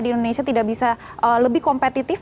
di indonesia tidak bisa lebih kompetitif